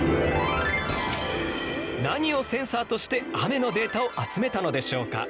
何をセンサーとして雨のデータを集めたのでしょうか？